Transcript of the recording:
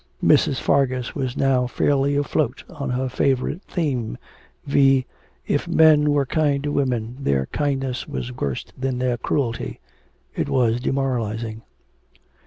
Mrs. Fargus was now fairly afloat on her favourite theme, viz., if men were kind to women, their kindness was worse than their cruelty it was demoralising.